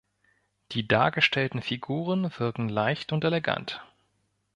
Die dargestellten Figuren wirken leicht und elegant.